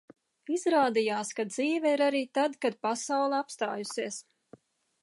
Izrādījās, ka ir dzīve arī tad, kad pasaule apstājusies.